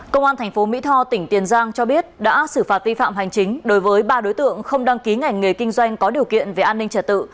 công an tp mỹ tho tỉnh tiền giang cho biết đã xử phạt vi phạm hành chính đối với ba đối tượng không đăng ký ngành nghề kinh doanh có điều kiện về an ninh trật tự